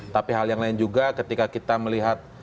tapi hal yang lain juga ketika kita melihat